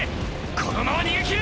このまま逃げきる！